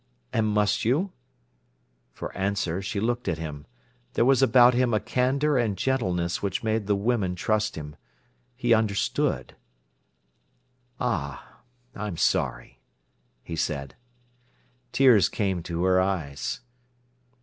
"And must you?" For answer, she looked at him. There was about him a candour and gentleness which made the women trust him. He understood. "Ah, I'm sorry," he said. Tears came to her eyes.